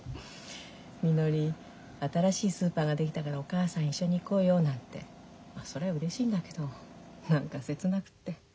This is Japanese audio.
みのり新しいスーパーが出来たからお母さん一緒に行こうよなんてまあそれはうれしいんだけど何か切なくって。